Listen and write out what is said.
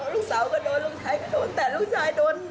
ลูกสาวก็โดนลูกชายก็โดนแต่ลูกชายโดน